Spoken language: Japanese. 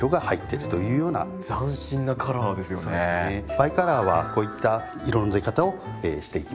バイカラーはこういった色の出方をしていきますね。